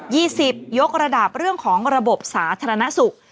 ี่สิบยกระดับเรื่องของระบบสาธารณสุข